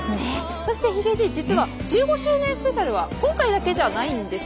そしてヒゲじい実は１５周年スペシャルは今回だけじゃないんですよね？